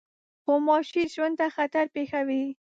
غوماشې ژوند ته خطر پېښوي.